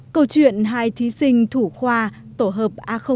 câu chuyện hai thí sinh thủ khoa tổ hợp a